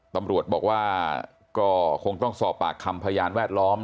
ตำรวจบอกว่าก็คงต้องสอบปากคำพยานแวดล้อม